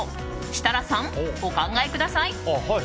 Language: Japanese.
設楽さん、お考えください。